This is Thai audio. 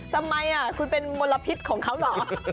ทำไมคุณเป็นมลพิษของเขาเหรอ